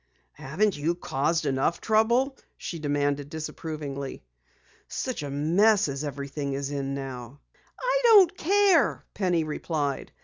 "Haven't you caused enough trouble?" she demanded disapprovingly. "Such a mess as everything is in now!" "I don't care," Penny replied.